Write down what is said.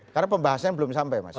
karena pembahasannya belum sampai mas